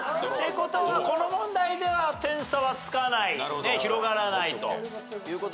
ことはこの問題では点差はつかない広がらないと。